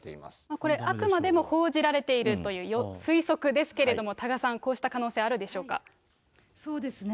これ、あくまでも報じられているという推測ですけれども、多賀さん、こそうですね。